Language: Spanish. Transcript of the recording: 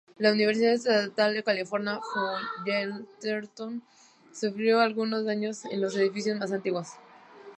La Universidad Estatal de California Fullerton sufrió algunos daños en los edificios más antiguos.